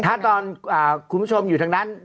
ถ้าตอนคุณผู้ชมอยู่ทางนั้น